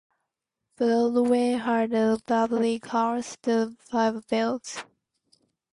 Broadwell had a public house, the Five Bells.